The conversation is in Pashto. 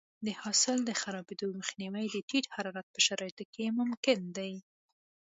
د حاصل د خرابېدو مخنیوی د ټیټ حرارت په شرایطو کې ممکن دی.